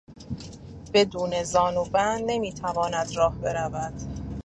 بدون زانوبند نمیتواند راه برود.